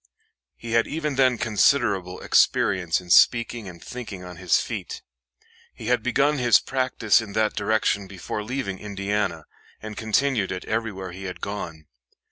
He had even then considerable experience in speaking and thinking on his feet. He had begun his practice in that direction before leaving Indiana, and continued it everywhere he had gone.